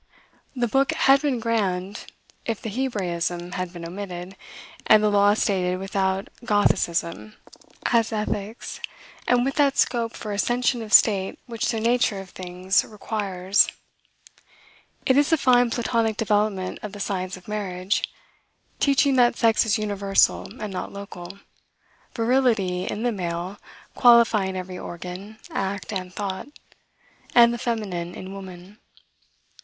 The book had been grand, if the Hebraism had been omitted, and the law stated without Gothicism, as ethics, and with that scope for ascension of state which the nature of things requires. It is a fine Platonic development of the science of marriage; teaching that sex is universal, and not local; virility in the male qualifying every organ, act, and thought; and the feminine in woman.